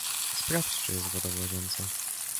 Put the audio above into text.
Sprawdź czy jest woda w łazience.